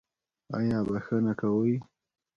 ایا بخښنه کوئ؟